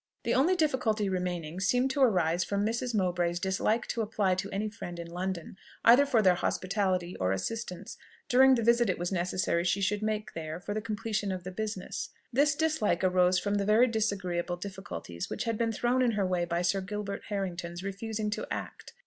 The only difficulty remaining seemed to arise from Mrs. Mowbray's dislike to apply to any friend in London, either for their hospitality or assistance, during the visit it was necessary she should make there for the completion of the business. This dislike arose from the very disagreeable difficulties which had been thrown in her way by Sir Gilbert Harrington's refusing to act.